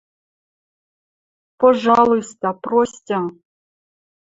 – Пожалуйста, простьы...